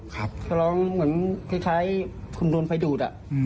เขาร้องเหมือนคล้ายคุณโดนไฟดูด